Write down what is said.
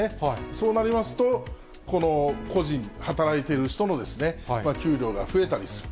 そうなりますと、この個人、働いてる人の給料が増えたりする。